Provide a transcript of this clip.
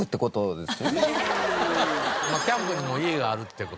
キャンプに家があるって事？